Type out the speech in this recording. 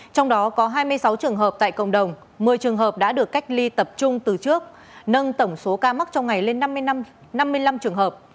trong đó có hai mươi sáu trường hợp tại cộng đồng một mươi trường hợp đã được cách ly tập trung từ trước nâng tổng số ca mắc trong ngày lên năm mươi năm trường hợp